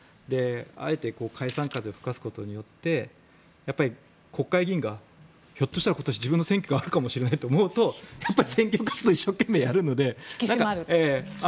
あえて解散風を吹かすことによって、国会議員がひょっとしたら今年自分の選挙があるかもしれないと思うとやっぱり宣伝活動を一生懸命やるので。